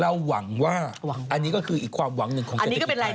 แล้วหวังว่านี่ก็คืออีกความหวังหนึ่งของเชิกกิจไทย